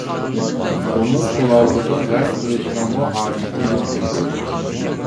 ئۇنىڭ قونالغۇدىن غەم قىلىشىنىڭمۇ ھاجىتى يوق ئىدى.